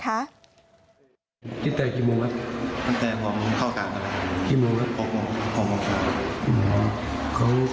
ตายแพ้แล้วนะครับตายแพ้แล้วนะ